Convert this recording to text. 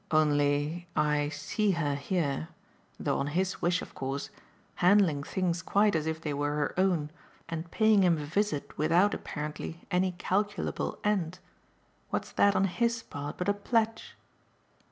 "Only I see her here though on his wish of course handling things quite as if they were her own and paying him a visit without, apparently, any calculable end. What's that on HIS part but a pledge?"